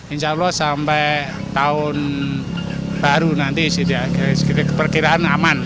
insya allah sampai tahun baru nanti perkiraan aman